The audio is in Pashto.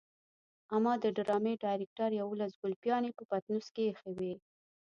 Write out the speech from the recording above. اما د ډرامې ډايرکټر يوولس ګلپيانې په پټنوس کې ايښې وي.